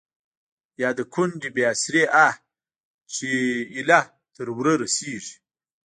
يا َد کونډې بې اسرې آه چې ا يله تر ورۀ رسيږي